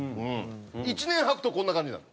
１年穿くとこんな感じになる。